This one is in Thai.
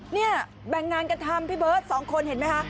เนี่ยแบ่งงานกันทำพี่เบิร์ต๒คนเห็นไหมคะ